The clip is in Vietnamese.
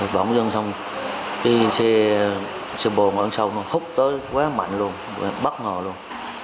bỗng dưng xong đi xe bồ ngọn sông hút tới quá mạnh luôn bất ngờ luôn